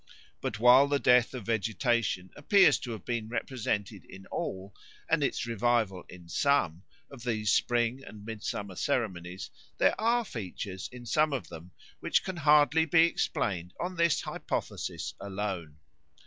But while the death of vegetation appears to have been represented in all, and its revival in some, of these spring and midsummer ceremonies, there are features in some of them which can hardly be explained on this hypothesis alone.